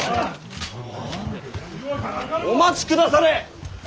お待ちくだされ！